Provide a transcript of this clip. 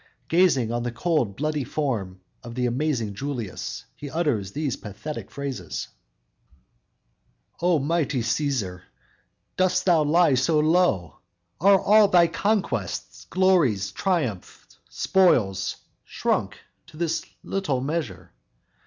Gazing on the cold, bloody form of the amazing Julius, he utters these pathetic phrases: _"O mighty Cæsar! Dost thou lie so low? Are all thy conquests, glories, triumphs, spoils, Shrunk to this little measure?